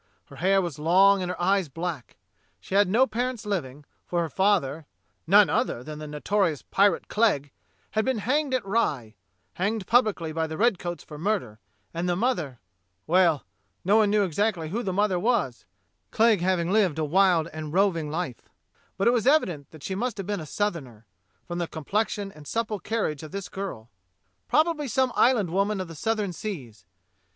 Her hair was long and her eyes black. She had no parents living, for her father — none other than the notorious pirate Clegg — had been hanged at Rye — hanged publicly by the redcoats for murder; and the mother — well, no one knew exactly who the mother was, Clegg having lived a wild and roving life; but it was evident that she must have been a southerner, from the complexion and supple carriage of this girl — probably some island woman of the Southern Seas.